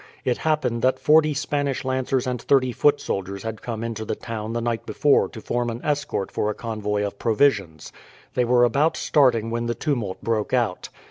It happened that forty Spanish lancers and thirty foot soldiers had come into the town the night before to form an escort for a convoy of provisions. They were about starting when the tumult broke out.